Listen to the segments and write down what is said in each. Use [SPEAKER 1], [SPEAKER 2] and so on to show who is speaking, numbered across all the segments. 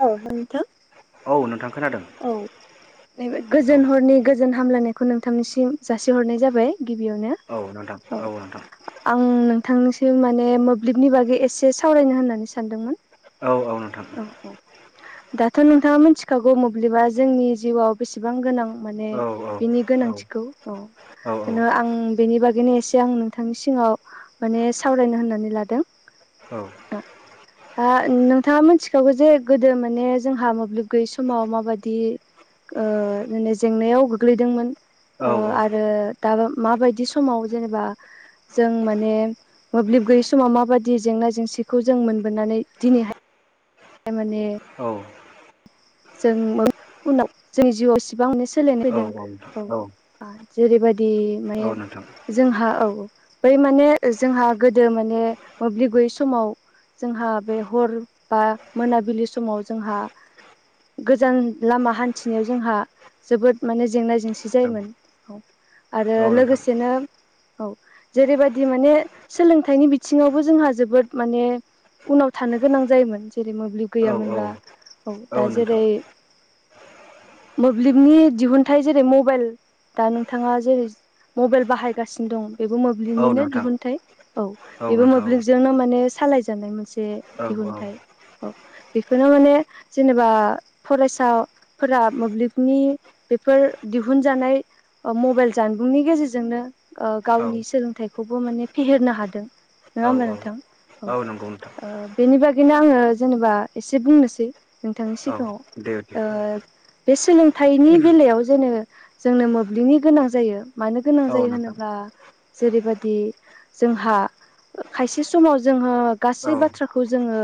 [SPEAKER 1] ओ [unintelligible] थां
[SPEAKER 2] औ नोंथां खोनादों
[SPEAKER 1] औ नैबे
[SPEAKER 2] औ
[SPEAKER 1] गोजोन हरनि गोजोन हामलायनायखौ नोंथांनिसिम जासिहरनाय जाबाय। गिबियावनो
[SPEAKER 2] औ नोंथां
[SPEAKER 1] औ
[SPEAKER 2] नोंथां
[SPEAKER 1] आं नोंथांनिस जों माने मोब्लिबनि बागै एसे सावरायनो होननानै सानदोंमोन।
[SPEAKER 2] औ औ नोंथां।
[SPEAKER 1] दाथ' नोंथाङा मिथिखागौ मोब्लिबा जोंनि जिउआव बेसेबां गोनां माने
[SPEAKER 2] औ
[SPEAKER 1] बिनि
[SPEAKER 2] औ
[SPEAKER 1] गोनांथिखौ औ नो आं बेनि बा दिनो एसे आं नोंथांनि सिङाव माने सावरायनो होननानै लादों।
[SPEAKER 2] औ
[SPEAKER 1] हा नोंथाङा मोनथिखागौ जे गोदो माने जोंहा मोब्लिब गैयै समाव माबादि ओ जेंनायाव गोग्लैदोंमोन ओ
[SPEAKER 2] औ
[SPEAKER 1] आरो दा माबायदि समाव जेनेबा जों माने मोब्लिब गैयै समाव माबाददि जेंना जेंसि बेखौ जों मोनबोनानै दिनैहाय माने
[SPEAKER 2] औ
[SPEAKER 1] जों उनाव जोंनि जिउआव इसेबां माने सोलायनाय फैदों
[SPEAKER 2] औ औ
[SPEAKER 1] आ जेरैबायदि माने जोंहा औ बै माने जोंहा गोदो माने मोब्लिब गयै समाव जोंहा बे हर बा मोनाबिलि समाव जोंहा गोजान लामा हान्थिनायाव जोंहा जोबोद माने जेंना जेंसि जायोमोन औ आरो
[SPEAKER 2] औ नोंथां औ नोंथां
[SPEAKER 1] लोगोसेनो औ जेरैबायदि माने सोलोंथाइनि बिथिङावबो जोंहा जोबोद माने उनाव थानो गोनां जायोमोन जेरै मोब्लिब
[SPEAKER 2] औ औ
[SPEAKER 1] गैयामोनब्ला औ दा जेरै मोब्लिबनि दिहुनथाइ जेरै मबाइल दा नोंथाङा जेरै मबाइल बाहायगासिनो दं। बेबो
[SPEAKER 2] औ
[SPEAKER 1] मोब्लिबनिनो
[SPEAKER 2] नोंथां
[SPEAKER 1] दिहुनथाइ औ बेबो
[SPEAKER 2] नोंथां औ
[SPEAKER 1] मोब्लिबजोंनो माने सालाय जानाय मोनस बे
[SPEAKER 2] औ
[SPEAKER 1] दिहुनथाइ औ बिखौनो माने जेनोबा फरायसाफोरा मोब्लिबनि बेफोर दिहुनजानाय ओ मबाइल जानबुंनि गेजेरजोंनो ओ गावनि सोलोंथाइ खौबो माने फेहेरनो हादों। नङा होमबा नोंथां औ
[SPEAKER 2] नंगौ नोंथां
[SPEAKER 1] ओ बेनि बाग खायनो आङो जेनेबा एसे बुंनोसै। नोंथांनि
[SPEAKER 2] औ
[SPEAKER 1] सिगाङाव
[SPEAKER 2] दे दे
[SPEAKER 1] ओ बे सोलोंथाइनि बेलायाव जेनो जोंनो मोब्लिबनि गोनां जायो। मानो गोनां
[SPEAKER 2] औ
[SPEAKER 1] जायो
[SPEAKER 2] नोंथां
[SPEAKER 1] होनोब्ला जेरैबाय दि जोंहा खायसे समाव जोङो
[SPEAKER 2] औ
[SPEAKER 1] गासै बाथ्राखौ जोङो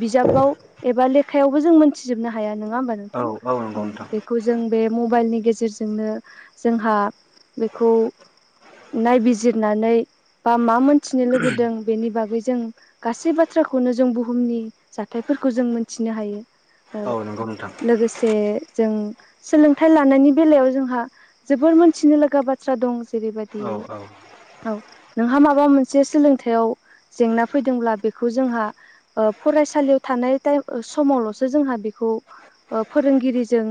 [SPEAKER 1] बिजाबाव एबा लेखायावबो जों मोनथिजोबनो हाया न ङा होमबा
[SPEAKER 2] औ
[SPEAKER 1] नोंथां
[SPEAKER 2] नंगौ नोंथां
[SPEAKER 1] औ बेखौ जों बे मबाइलनि गेजेरजोंनो जोंहा बेखौ नायबिजिरनानै बा मा मोनथिनो लुगैदों बेनि बागै जों गासै बाथ्राखौनो जों बुहुमनि जाथायफोर खौ जों मिथिनो हायो औ
[SPEAKER 2] नंगौ नोंथां
[SPEAKER 1] लोगोसे जों सोलोंथाइ लानायनि बेलायाव जोंहा जोबोर मोनथिनो लागा बाथ्रा दं जेरैबायाददि
[SPEAKER 2] औ औ
[SPEAKER 1] औ नोंहा माबा मोनसे सोलोंथाइयाव जेंना फैदोंब्ला बेखौ जोंहा फरायसालियाव थानाय समावलसो जोंहा बेखौ फोरोंगिरिजों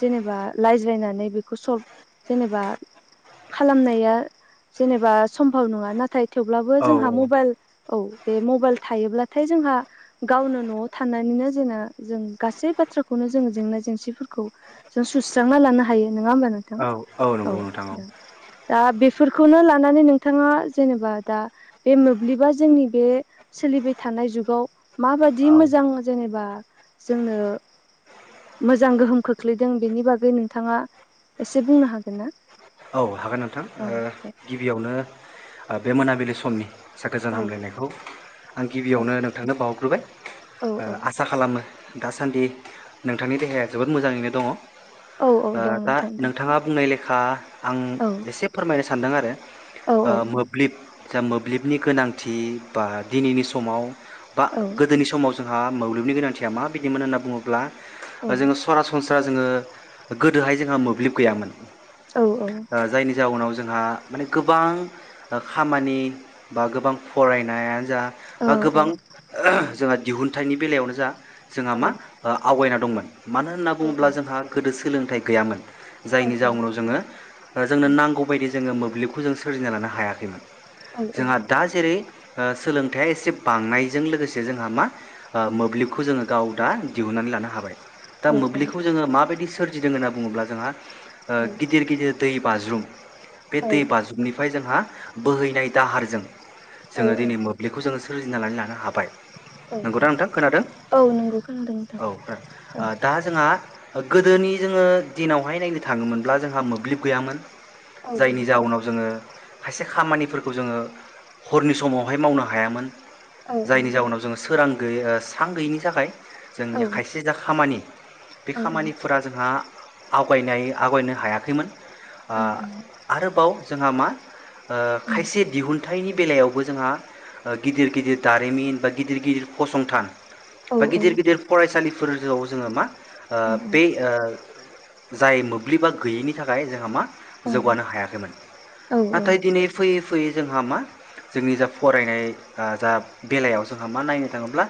[SPEAKER 1] जेनेबा रायज्लायनानै बेखौ सल्भ जेनेबा खालामनाया जेनेबा सम्भब नङा नाथाय थेवब्लाबो
[SPEAKER 2] औ
[SPEAKER 1] जोंहा मबाइल औ बे मबाइल थायोब्लाथाय जोंहा गावनो नआव थानानैनो जोंना जों गासै बाथ्राखौनो जोङो जेंना जेंसिफोरखौ जों सुस्रांना लानो हायो नङा होमबा नोंथां?
[SPEAKER 2] औ औ नंगौ नोंथां औ।
[SPEAKER 1] दा बेफोरखौनो लानानै नोंथाङा जेनेबा दा बे मोब्लिबा जोंनि बे सोलिबाय थानाय जुगाव माबा दि
[SPEAKER 2] औ
[SPEAKER 1] मोजां जेनेबा जोंनो मोजां गोहोम खोख्लैदों बेनि बागै नोंथाङा एसे बुंनो हागोन ना?
[SPEAKER 2] औ हागोन नोंथां
[SPEAKER 1] औ दे
[SPEAKER 2] गिबियावनो आरो बे मोनाबिलि समनि गोजोन
[SPEAKER 1] औ
[SPEAKER 2] हामलायनायखौ आं
[SPEAKER 1] औ
[SPEAKER 2] गिबियावनो नोंथांनो बावग्रोबाय
[SPEAKER 1] औ औ
[SPEAKER 2] आसा खालामो दासान्दि नोंथांनि देहाया जोबोद मोजाङैनो दङ।
[SPEAKER 1] औ औ दं
[SPEAKER 2] दा
[SPEAKER 1] नोंथां दं
[SPEAKER 2] नोंथाङा बुंनाय ले खा आं
[SPEAKER 1] औ
[SPEAKER 2] एसे फोरमायनो सान सान्दों आरो।
[SPEAKER 1] औ औ
[SPEAKER 2] मोब्लिब जा मोब्लिबनि गोनांथि बा दिनैनि समाव बा
[SPEAKER 1] औ
[SPEAKER 2] गोदोनि समाव जों। जोंहा मोब्लिबनि गोनांथिया माबायदिमोन होनना बुङोब्ला
[SPEAKER 1] औ
[SPEAKER 2] जोङो सरासन स्रा जोङो गोदोहाय जोंहा मोब्लिब गैयामोन।
[SPEAKER 1] औ औ
[SPEAKER 2] जायनि जाउनाव जोंहा माने गोबां खामानि बा गोबां फरायनायानो जा बा गोबां जोंहा दिहुनथाइनि बेलायावनो जा। जोंहा मा आवगायना दंमोन। मानो होनना बुङोब्ला जोंहा गोदो सोलोंथाइ गैयामोन जायनि जाउनाव जोङो जोंनो नांगौ बायदि जोङो मोब्लिबखौ जों सोरजिना लानो हायाखैमोन जोंहा दा जेरै सोलोंथाइया एसे बांनायजों लोगोसे जोंहा मा ओ मोब्लिबखौ जोङो गाव दा दिहुननानै लानो हाबाय दा मोब्लिबखौ जोङो माबायदि सोर जिदों होनना बुङोब्ला जोंहा ओ गिदिर गिदिर बाज्रुम बे दै बाजुनिफ्राय जोंहा बोहैनाय दाहारजों
[SPEAKER 1] औ
[SPEAKER 2] जोङो दिनै मोब्लिबखौ जोङो सोर नानै लानो हाबाय नंगौदा नोंथां खोनादों
[SPEAKER 1] औ नंगौ खोनादों
[SPEAKER 2] औ ओ
[SPEAKER 1] नोंथां
[SPEAKER 2] दा जोंहा गोदोनि जोङो दिनावहाय नायनो थाङोमोनब्ला जोंहा मोनब्ला मोब्लिब गैयामोन
[SPEAKER 1] औ
[SPEAKER 2] जायनि जाउनाव जोङो खायसे खामानिफोरखौ जोङो हरनि समावहाय मावनो हायामोन जायनि जउनाव जोङो सोरां गैयै ओ स्रां गैयिनि थाखाय
[SPEAKER 1] औ
[SPEAKER 2] जोंनिया खायसे जा खामानि बे
[SPEAKER 1] औ औ
[SPEAKER 2] खामानिफोरा जोंहा आवगायनाय आवगायनो हायाखैमोन । ओ
[SPEAKER 1] औ
[SPEAKER 2] आरोबाव जोंहा मा खायसे दिहुनथाइनि बेलायावबो जोंहा गिदिर गिदिर दारिमिन बा गिदिर गिदिर फसंथान बा गिदिर गिदिर फरायसालि फोरआव जोङो मा ओ बे ओ जाय मोब्लिबा गैयैनि नि थाखाय जोंहा मा जौगानो हायाखैमोन नाथाय दिनै फैयै फैयै जोंहा मा जोंनि जा फरायनाय ओ जा बेलायाव जोंहा मा नायनो थाङोब्ला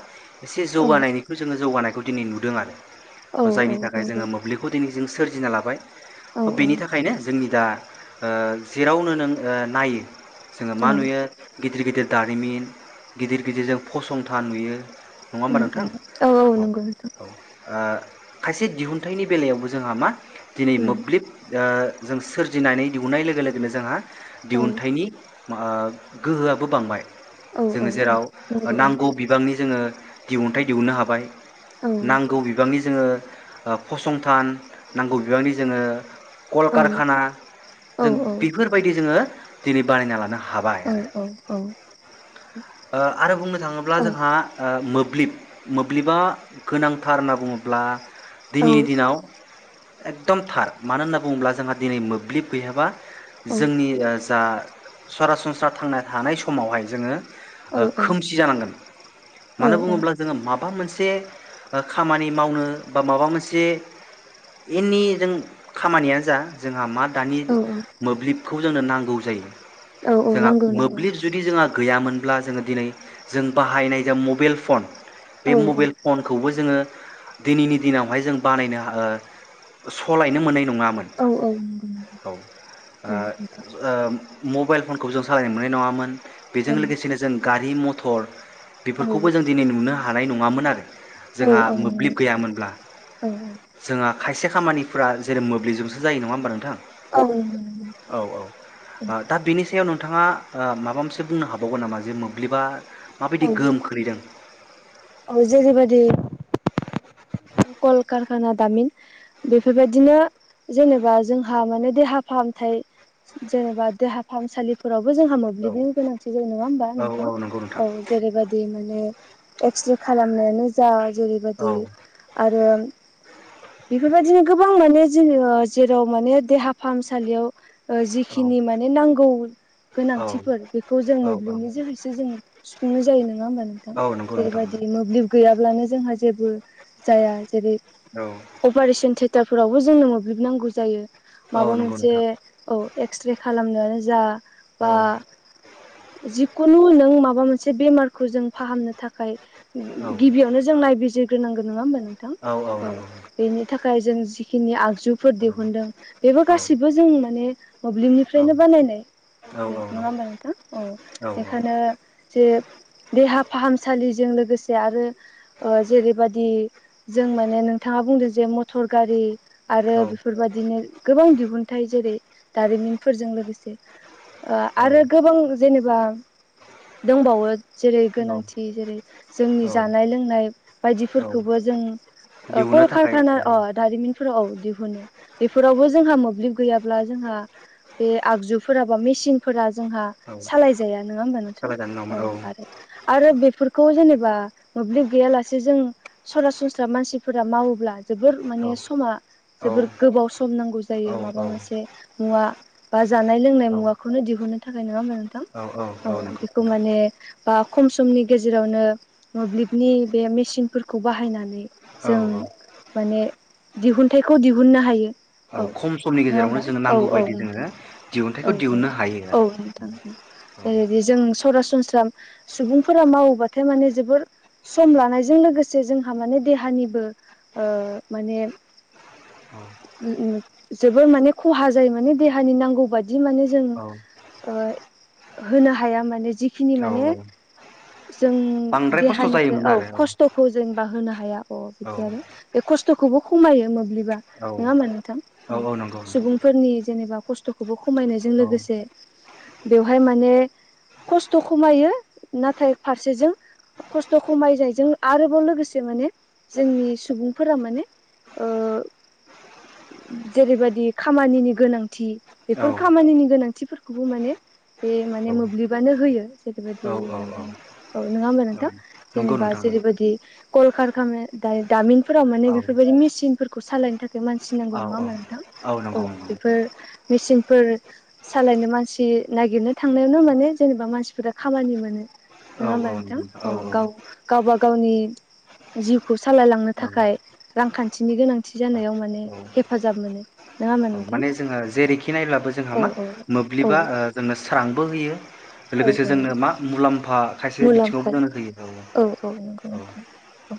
[SPEAKER 2] एसे जौगानायनिखौ जोङो जौगानायखौ दिनै नुदों आरो। जायनि थाखाय जोङो मोब्लिबखौ दिनै जों सोर जिना लाबाय। बेनि थाखायनो जोंनि दा ओ जेरावनो नों ओ नायो जोङो मा नुयो गिदिर गिदिर दारिमिन गिदिर गिदिर जों फसंथान नुयो नङा होमबा नोंथां? औ औ। ओ खायसे दिहुनथाइनि बेलायावबो जोंहा मा दिनै मोब्लिब ओ जों सोरजिनानै दिहुननाय लोगो लोगोनो जोंहा दिहुनथाइनि ओ गोहोआबो बांबाय
[SPEAKER 1] औ औ
[SPEAKER 2] जोङो जेराव
[SPEAKER 1] नंगौ
[SPEAKER 2] नांगौ बिबांनि जोङो दिहुनथाइ दिहुननो हाबाय
[SPEAKER 1] औ
[SPEAKER 2] नांगौ बिबांनि जोङो ओ फसंथान नांगौ बिबांनि जोङो
[SPEAKER 1] औ
[SPEAKER 2] कलकारखाना जों
[SPEAKER 1] औ औ
[SPEAKER 2] बेफोरबायदि जोङो दिनै बानायना लानो हाबाय
[SPEAKER 1] औ
[SPEAKER 2] आरो।
[SPEAKER 1] औ औ औ।
[SPEAKER 2] ओ आरो बुंनो थाङोब्ला जोंहा ओ मोब्लिब मोब्लिबा गोनांथार होनना बुङोब्ला दिनैनि दिनाव एकदम थार मानो होनना बुङोब्ला जोंहा दिनै मोब्लिब गैयाबा जोंनि ओ जा सरासनस्रा थांना थानाय समावहाय जोङो ओ खोमसि जानांगोन मानो बुङोब्ला जोङो माबा मोनसे खामानि मावनो बा माबा मोनसे एनि जों खामानियानो जा जोंहा मा दानि
[SPEAKER 1] औ
[SPEAKER 2] मोब्लिबखौ जोंनो नांगौ जायो
[SPEAKER 1] औ औ
[SPEAKER 2] जोंहा
[SPEAKER 1] नंगौ नंगौ
[SPEAKER 2] मोब्लिब जुदि जोंहा गैयामोन ब्ला जों दिनै जों बाहायनाय जा मबेल फन बे
[SPEAKER 1] औ
[SPEAKER 2] मबेल फनखौबो जोङो दिनैनि दिनावहाय जों बानायनो ओ सलायनो मोननाय नङामोन
[SPEAKER 1] औ औ नंगौ
[SPEAKER 2] औ ओ
[SPEAKER 1] औ नोंथां
[SPEAKER 2] ओ मबाइल फनखौ जों सालायनो मोननाय नङामोन बेजों लोगोसेनो जों गारि मथर
[SPEAKER 1] औ
[SPEAKER 2] बेफोरखौबो जों दिनै नुनो हानाय नङामोन आरो।
[SPEAKER 1] औ औ
[SPEAKER 2] जोंहा
[SPEAKER 1] औ नंगौ
[SPEAKER 2] मोब्लिब
[SPEAKER 1] नोंथां
[SPEAKER 2] गैयामोनब्ला।
[SPEAKER 1] औ
[SPEAKER 2] जोंहा खायसे खामानिफोरा जेरै मोब्लिबजोंसो जायो नङा होमबा नोंथां
[SPEAKER 1] औ नंगौ नंगौ
[SPEAKER 2] औ औ औ दा बेनि सायाव नोंथाङा ओ माबा मोनसे बुंनो हाबावगोन नामा? जे मोब्लिबा माबायदि
[SPEAKER 1] औ
[SPEAKER 2] गोहोम खोलैदों?
[SPEAKER 1] औ जेरैबादि कलकारखाना दामिन बेफोरबायदिनो जेनेबा जोंहा माने देहा फाहामथाय जेनेबा देहा फाहामसालिफोराव बो जोंहा
[SPEAKER 2] औ
[SPEAKER 1] मोब्लिबनि गोनांथि जायो नङा होमबा नोंथां
[SPEAKER 2] औ औ नंगौ
[SPEAKER 1] औ
[SPEAKER 2] नोंथां
[SPEAKER 1] जेरैबादि मोन ने एक्सरे खालामनायानो जा जेरैबायदि
[SPEAKER 2] औ
[SPEAKER 1] आरो बेफोरबायदिनो गोबां माने जोङो जेराव माने देहा फाहामसालियाव ओ
[SPEAKER 2] औ
[SPEAKER 1] जिखिनि माने नांगौ
[SPEAKER 2] औ
[SPEAKER 1] गोनांथिफोर बेखौ जों मोब्लिबनि
[SPEAKER 2] औ
[SPEAKER 1] जोहैसो जों [unintelligible] जायो नों नङा होमा नोंथां
[SPEAKER 2] औ नंगौ नोंथां
[SPEAKER 1] जेरैबायदि मोब्लिब गैयाब्लानो जोंहा जेबो जाया जेरै
[SPEAKER 2] औ
[SPEAKER 1] अपारेशन थ्रेट टारफोरावबो जोंनो मोब्लिब नांगौ जायो।
[SPEAKER 2] औ
[SPEAKER 1] माबा
[SPEAKER 2] नंगौ
[SPEAKER 1] मोनसे
[SPEAKER 2] नोंथां
[SPEAKER 1] औ एक्सरे खालाम नायानो जा। बा जि खुनु नों माबा मोनसे बेमारखौ जों फाहामनो थाख खायो
[SPEAKER 2] औ
[SPEAKER 1] गिबियावनो जों नायबिजिर ग्रोनांगोन नङा हमबाय नो थां औ बेनि थाखाय जों जि खिनि आग जुफोर
[SPEAKER 2] औ
[SPEAKER 1] दिहुुनदों बेबो
[SPEAKER 2] औ
[SPEAKER 1] गासैबो जों माने मोब्लिबनिफ्रायनो बानायनाय बे नङा होमबा नोंथां औ बेखायनो जे देहा फाहामसालिजों लोगोसे आरो ओ जेरैबा दि जों माने नोंथाङा बुंदों जे मटर गारि आरो बेफोरबादिनो गोबां दिहुन थाय जेरै दारिमिनफोरजों लोगोसे ओ आरो गोबां जेनो बा दंबावो जेरै गोनांथि जेरै जोंनि जानाय लोंनाय बायदिफोर खौबो जों ओ
[SPEAKER 2] दिहुननो
[SPEAKER 1] कल
[SPEAKER 2] थाखाय
[SPEAKER 1] कारखाना
[SPEAKER 2] औ
[SPEAKER 1] अ दारिमिन फोराव दिहुनो बेफोरावबो जोंहा मोब्लिब गैयाब्ला जोंहा बे आगजुफोरा बा मेसिनफोरा जोंहा
[SPEAKER 2] औ
[SPEAKER 1] सालायजाया नोङा हबा नोंथां
[SPEAKER 2] सालायजानो
[SPEAKER 1] औ
[SPEAKER 2] नङामोन
[SPEAKER 1] आरो आरो बेफोर खौ जेनेबा मोब्लिब गैयालासे जों सरासनस्रा मानसिफोरा मावोब्ला। जोबोर
[SPEAKER 2] औ
[SPEAKER 1] माने समा
[SPEAKER 2] औ
[SPEAKER 1] जोबोर गोबाव सम नांगौ
[SPEAKER 2] औ
[SPEAKER 1] जायो माबा मोनसे मुवा बा जानाय लोंनाय
[SPEAKER 2] औ
[SPEAKER 1] मुवाखौनो दिहुनो थाखाय नङा हमबा नोंथां औ बेखौ माने बा खम समनि गेजेरावनो मोब्लिबनि बे मेसिनफोर खौ बाहायनानै
[SPEAKER 2] औ औ
[SPEAKER 1] जों माने दिहुनथाइखौ दिहुननो हायो। औ
[SPEAKER 2] खम समनि
[SPEAKER 1] नङा
[SPEAKER 2] गेजेरावनो
[SPEAKER 1] होमबा
[SPEAKER 2] जोङो
[SPEAKER 1] औ
[SPEAKER 2] नांगौ
[SPEAKER 1] औ
[SPEAKER 2] बायदि जोङो
[SPEAKER 1] नोंथां औ
[SPEAKER 2] दिहुनथाइखौ
[SPEAKER 1] औ
[SPEAKER 2] दिहुननो हायो
[SPEAKER 1] औ नोंथां उम
[SPEAKER 2] आरो
[SPEAKER 1] ए जों सरासन स्रा सुबुंफोरा मावोबाथाय माने जोबोर सम लानायजों लोगो से जोंहा माने देहानिबो ओ माने उम उम जोबोर माने खहा जायो माने देहानि नांगौ बादि माने जों
[SPEAKER 2] औ
[SPEAKER 1] ओ होनो हाया माने जिखिनि
[SPEAKER 2] औ औ
[SPEAKER 1] माने
[SPEAKER 2] औ
[SPEAKER 1] जों
[SPEAKER 2] बांद्राय खस्थ'
[SPEAKER 1] देहानिफ्राय
[SPEAKER 2] जायोमोन
[SPEAKER 1] औ
[SPEAKER 2] आरो
[SPEAKER 1] खस्थ बा होनो हाया। अ
[SPEAKER 2] औ
[SPEAKER 1] बिदि आरो बे खस्थ'खौबो खमायो मोब्लिब बा
[SPEAKER 2] औ
[SPEAKER 1] नङा होमबा नोंथां औ सुबुंफोरनि जेनेबा खस्थ' खौबो खमायनायजों लोगोसे बेवहाय माने खस्थ' खमायो नाथाय फारसेजों खस्थ' खमायनायजों आरोबाव लोगोसे माने जोंनि सुबुंफोरा माने ओ [inaudible] जेरैबादि खामानिनि गोनांथि बेफोर खामानिनि गोनांथिफोर खौबो माने बे माने मोब्लिबानो होयो जेरैबायदि माने औ, नङा होमबा नोंथां? जेनेबा
[SPEAKER 2] नोंथां
[SPEAKER 1] जेरैबादि कलखारखाना दाय-दामिन फोराव माने
[SPEAKER 2] औ
[SPEAKER 1] बेफोरबादि मेसिन फोरखौ सालायनो था खाय मानसि
[SPEAKER 2] औ नंगौ नोंथां औ
[SPEAKER 1] नांगौ नङा होमबा नोंथां? औ
[SPEAKER 2] नंगौ नंगौ
[SPEAKER 1] बेफोर मेसिन फोर सालायनो मानसि नागिरनो थांनायावनो माने जेनेबा मानसिफोरा खामानि मोनो।
[SPEAKER 2] औ
[SPEAKER 1] नङा होमबा नोंथां? अ
[SPEAKER 2] औ
[SPEAKER 1] गाव-गावबा [unintelligible] जिउ खौ सालाय लांनो थाखाय रांखान्थिनि गोनांथि जानायाव माने
[SPEAKER 2] औ
[SPEAKER 1] हेफाजाब मोन। नोङा होमबा नोंथां?
[SPEAKER 2] माने जोङो जेरैखि नायब्लाबो जोंहा
[SPEAKER 1] औ
[SPEAKER 2] मा
[SPEAKER 1] औ औ।
[SPEAKER 2] मोब्लिबा ओ जोंनो स्रांबो होयो
[SPEAKER 1] औ
[SPEAKER 2] लोगोसे
[SPEAKER 1] औ
[SPEAKER 2] जोंनो मा मुलाम्फा खायसे
[SPEAKER 1] मुलाम्फा
[SPEAKER 2] बिथिङावबो जोंनो होयो औ औ।
[SPEAKER 1] औ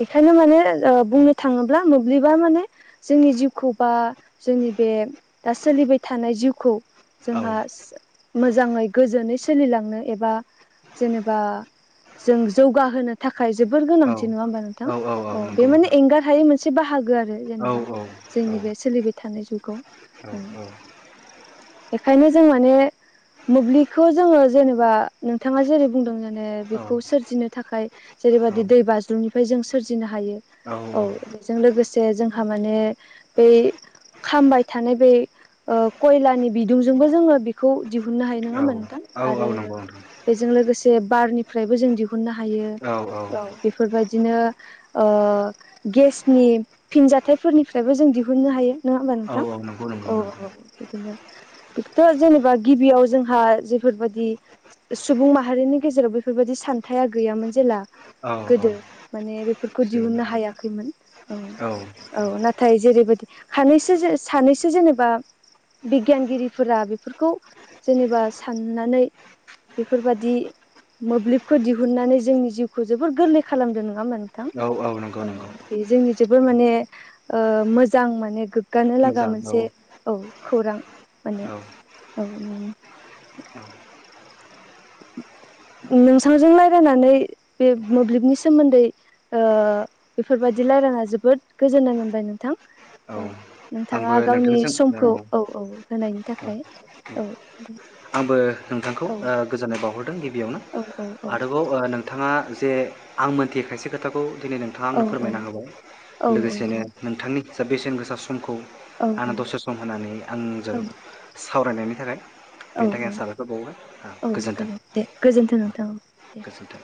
[SPEAKER 1] बेखायनो माने ओ बुंनो थाङोब्ला मोब्लिबा माने जोंनि जिउखौ बा जोंनि बे दा सोलिबाय थानाय जिउखौ
[SPEAKER 2] औ
[SPEAKER 1] जोंहा मोजाङै गोजोनै सोलिलांनो एबा जेनेबा जों जौगाहोनो थाखाय जोबोर
[SPEAKER 2] औ
[SPEAKER 1] गोनांथि नोङा होमबा नोंथां औ बे
[SPEAKER 2] नंगौ
[SPEAKER 1] माने
[SPEAKER 2] नोंथां
[SPEAKER 1] एंगार हायै मोनसे बाहागो आरो
[SPEAKER 2] औ
[SPEAKER 1] जेनेबा
[SPEAKER 2] औ औ
[SPEAKER 1] जोंनि बे सोलिबाय थानाय जुगाव
[SPEAKER 2] औ
[SPEAKER 1] उम, बेखायनो जों माने मोब्लि खौ जोङो जेनेबा नोंथाङा जेरै बुंदों माने
[SPEAKER 2] औ
[SPEAKER 1] बेखौ सोरजिनो थाखाय जेरैबादि दै बाज्रुमनिफ्राय जों सोरजिनो हायो औ बेजों लोगोसे जोंहा माने बै खामबाय थानाय बै ओ कयलानि बिदुंजोंबो जोङो बेखौ दिहुननो हायो नोङा होमबा नों थां
[SPEAKER 2] औ औ
[SPEAKER 1] आरो
[SPEAKER 2] नंगौ
[SPEAKER 1] बेजों लोगोसे बारनिफ्रायबो जों दिहुननो हायो, औ बेफोरबादिनो ओ गेसनि फिनजाथाइफोरनिफ्रायबो जों दिहुननो हायो, नङा होमबा
[SPEAKER 2] औ
[SPEAKER 1] नोंथां?
[SPEAKER 2] नंगौ
[SPEAKER 1] औ
[SPEAKER 2] नंगौ नंगौ
[SPEAKER 1] औ बिदिनो बेखौथ' जेनेबा गिबियाव जोंहा बे फोरबादि सुबुं माहारिनि गेजेराव बेफोरबादि सानथाया गैयामोन जेला
[SPEAKER 2] औ
[SPEAKER 1] गोदो माने बेफोरखौ दिहुननो हायाखैमोन औ औ नाथाय जेरैबादि हानैसो जे सानैसो जेनेबा बिगियानगिरिफोरा बेफोरखौ जेनेबा साननानै बेफोरबादि मोब्लिबखौ दिहुननानै जोंनि जिउखौ जोबोर गोरलै खालामदों नोङा होमबा नों थां औ औ बे जोंनि जोबोर माने ओ मोजां माने गोग गानो लागा
[SPEAKER 2] मोजां औ
[SPEAKER 1] मोनसे औ। खौरां माने
[SPEAKER 2] औ
[SPEAKER 1] औ, उम। नोंसांजों लायरायनानै बे मोब्लिबनि सोमोन्दै ओ बेफोरबादि लायरायना जोबोद गोजोननाय मोनबाय नोंथां
[SPEAKER 2] औ
[SPEAKER 1] ओ उम। थाङा गावनि समखौ औ औ होनायनि थाखाय औ। दे
[SPEAKER 2] आंबो नोंथांखौ
[SPEAKER 1] औ
[SPEAKER 2] ओ गोजोननाय बावहर दों गिबियावनो
[SPEAKER 1] औ औ औ
[SPEAKER 2] आरोबाव ओ नोंथाङा दे आं मोनथियै खायसे खोथाखौ दिनै नोंथाङा
[SPEAKER 1] औ
[SPEAKER 2] आंनो
[SPEAKER 1] औ
[SPEAKER 2] फोरमायना होबाय
[SPEAKER 1] औ औ
[SPEAKER 2] लोगोसेनो नोंथांनि जा बेसेन गो दा समखौ
[SPEAKER 1] औ
[SPEAKER 2] आंनो दसे सम होनानै आंजों सावरायनायनि जेरै
[SPEAKER 1] औ औ औ गो
[SPEAKER 2] गोजोन्थों
[SPEAKER 1] [unintelligible] दे गोजोन्थों नोंथां औ दे।
[SPEAKER 2] गोजोन्थों